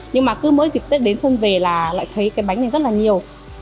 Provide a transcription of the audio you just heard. nhưng mà cứ mỗi dịp tết đến xuân về là lại thấy cái bánh này rất là nhiều